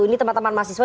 ini teman teman mahasiswa